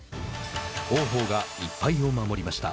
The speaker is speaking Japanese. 王鵬が１敗を守りました。